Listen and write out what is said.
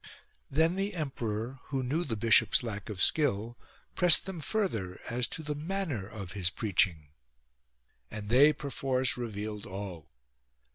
Then the emperor who knew the bishop's lack of skill pressed them further as to the manner of his preaching ; and they, perforce, revealed all.